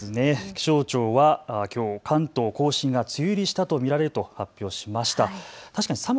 気象庁はきょう関東甲信が梅雨入りしたと見られると発表しました。